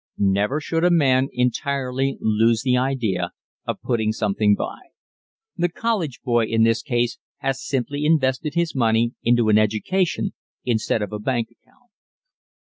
Never should a man entirely lose the idea of putting something by. The college boy in this case has simply invested his money in an education instead of a bank account.